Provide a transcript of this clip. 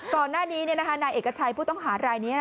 ก่อนหน้านี้นายเอกชัยผู้ต้องหารายนี้